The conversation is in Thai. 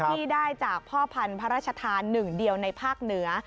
ที่ได้จากพ่อพันธุ์พระราชทานหนึ่งเดียวในภาคเหนือ